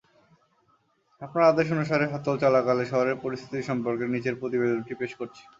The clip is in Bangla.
আপনার আদেশ অনুসারে হরতাল চলাকালে শহরের পরিস্থিতি সম্পর্কে নিচের প্রতিবেদনটি পেশ করছি।